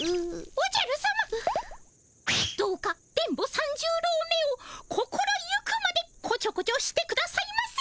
おじゃるさまどうか電ボ三十郎めを心行くまでこちょこちょしてくださいませ！